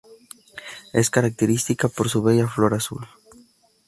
Es característica por su bella flor azul.